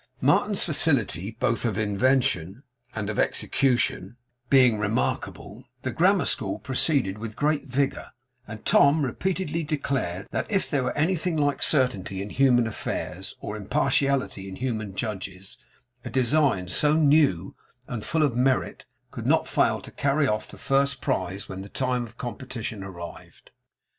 Martin's facility, both of invention and execution, being remarkable, the grammar school proceeded with great vigour; and Tom repeatedly declared, that if there were anything like certainty in human affairs, or impartiality in human judges, a design so new and full of merit could not fail to carry off the first prize when the time of competition arrived.